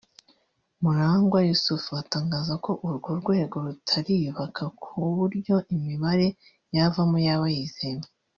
Murangwa Yusuf atangaza ko urwo rwego rutariyubaka ku buryo imibare yavamo yaba yizewe